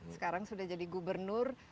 sekarang sudah jadi gubernur